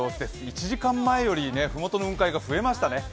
１時間前よりふもとの雲海が増えましたね。